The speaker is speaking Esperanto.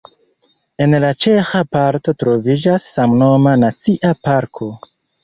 En la ĉeĥa parto troviĝas samnoma nacia parko.